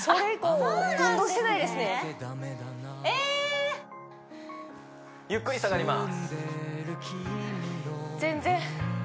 はいゆっくり上がります